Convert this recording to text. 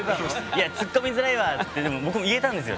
「いやつっこみづらいわ」って僕も言えたんですよ